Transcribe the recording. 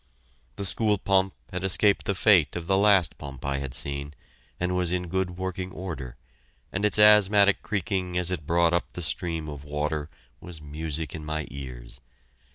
The school pump had escaped the fate of the last pump I had seen, and was in good working order, and its asthmatic creaking as it brought up the stream of water was music in my ears.